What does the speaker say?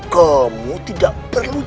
kamu tidak perlu